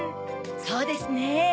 そうですね。